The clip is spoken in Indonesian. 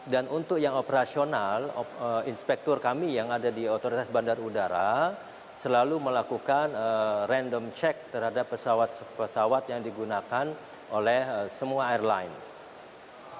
dan untuk yang operasional inspektur kami yang ada di otoritas bandar udara selalu melakukan random check terhadap pesawat pesawat yang digunakan oleh semua airline